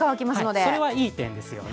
それはいい点ですよね。